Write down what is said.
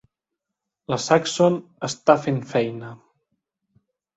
La Saxon està fent feina.